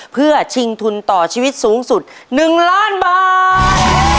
เพื่อชิงทุนต่อชีวิตสูงสุด๑ล้านบาท